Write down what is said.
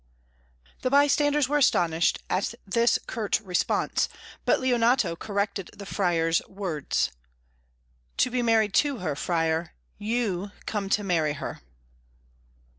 The bystanders were astonished at this curt response, but Leonato corrected the Friar's words. "To be married to her; Friar, you come to marry her."